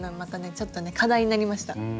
ちょっとね課題になりました。